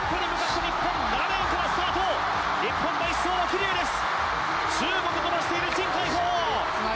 日本第１走は桐生です。